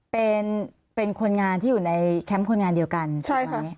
เป็นคนงานที่อยู่ในแคมป์คนงานเดียวกันใช่ไหม